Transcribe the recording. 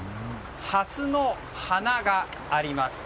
ハスの花があります。